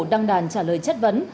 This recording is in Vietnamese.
đăng đàn trả lời chất vấn